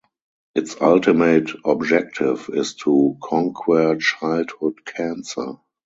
Its ultimate objective is to "conquer childhood cancer".